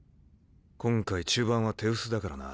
今回中盤は手薄だからな。